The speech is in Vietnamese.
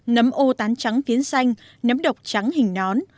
nấm ô tán trắng tiếng xanh nấm độc trắng hình nón